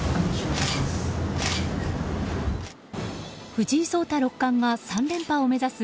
藤井聡太六冠が３連覇を目指す